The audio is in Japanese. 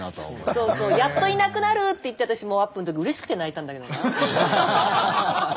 そうそうやっといなくなるって言って私アップの時うれしくて泣いたんだけどなあ。